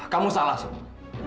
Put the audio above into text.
kamu salah sukma